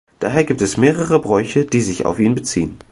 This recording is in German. Daher gibt es mehrere Bräuche, die sich auf ihn beziehen.